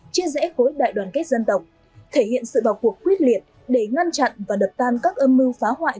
chia rẽ khối đại đoàn kết dân tộc thể hiện sự bảo cuộc quyết liệt để ngăn chặn và đập tan các âm mưu phá hoại